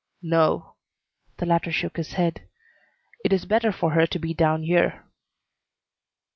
"No." The latter shook his head. "It is better for her to be down here."